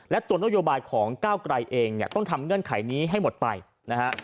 และตัวโนโยบาสของเก้ากรายเองก็จะประกันเงื่อนไขนี้ให้หมดไปนะฮะ